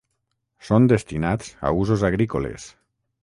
Són destinats a usos agrícoles.